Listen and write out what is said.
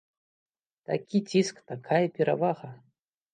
Такі ціск, такая перавага.